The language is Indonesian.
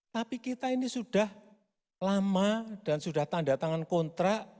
tapi kita ini sudah lama dan sudah tanda tangan kontrak